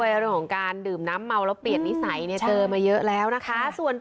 เรื่องของการดื่มน้ำเมาแล้วเปลี่ยนนิสัยเนี่ยเจอมาเยอะแล้วนะคะ